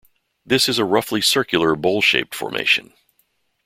This is a roughly circular, bowl-shaped formation.